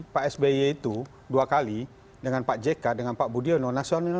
pak sby itu dua kali dengan pak jk dengan pak budiono